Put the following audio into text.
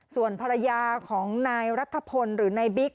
ส่วนภรรยาของนายรัฐพลหรือนายบิ๊ก